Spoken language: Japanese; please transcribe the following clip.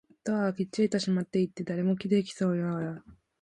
ドアはきっちりと閉まっていて、誰も出てきそうもなかった